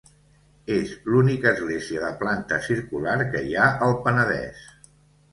És l'única església de planta circular que hi ha al Penedès.